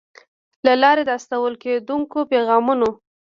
له لارې د استول کېدونکو پیغامونو